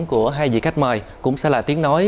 của hai vị khách mời cũng sẽ là tiếng nói